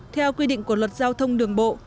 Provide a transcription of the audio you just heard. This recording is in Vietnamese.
theo quy định của luật giao thông đường bộ